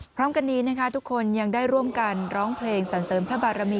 พร้อมกันนี้นะคะทุกคนยังได้ร่วมกันร้องเพลงสรรเสริมพระบารมี